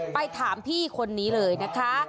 ไปถามพี่คนนี้เลยนะคะ